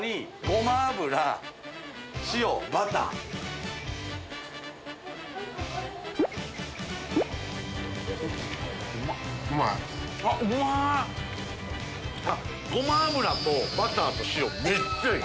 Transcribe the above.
ごま油とバターと塩めっちゃいい。